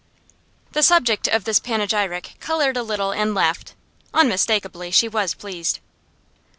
The subject of this panegyric coloured a little and laughed. Unmistakably she was pleased.